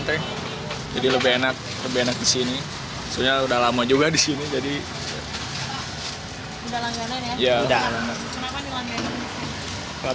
teh jadi lebih enak lebih enak di sini sudah lama juga di sini jadi udah langganan ya udah